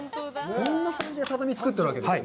こんな感じで畳を作ってるわけですね。